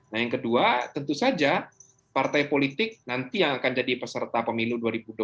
nah yang kedua tentu saja partai politik nanti yang akan jadi peserta pemilu dua ribu dua puluh